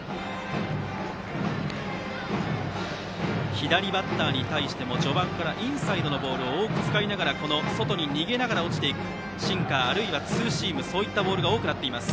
左バッターに対しても序盤からインサイドのボールを多く使いながら外に逃げながら落ちていくシンカー、あるいはツーシームそういったボールが多くなっています。